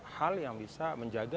hal yang bisa menjaga